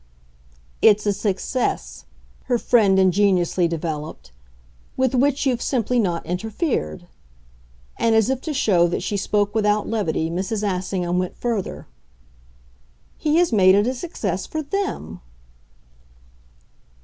"It's a success," her friend ingeniously developed, "with which you've simply not interfered." And as if to show that she spoke without levity Mrs. Assingham went further. "He has made it a success for THEM